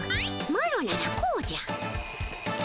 マロならこうじゃ。